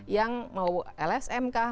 yang mau lsm kah